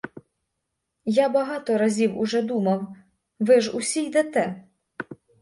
Я багато разів уже думав — ви ж усі йдете.